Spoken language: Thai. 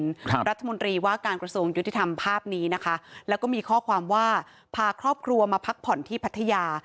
รัฐมนตรีว่าการกระทรวงยุติธรรมภาพนี้นะคะแล้วก็มีข้อความว่าพาครอบครัวมาพักผ่อนที่พัทยา